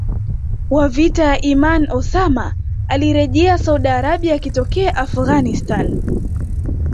wa vita ya Imaan Osama alirejea Saudi Arabia akitokea Afghanistan